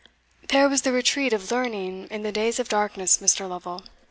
"There was the retreat of learning in the days of darkness, Mr. Lovel!"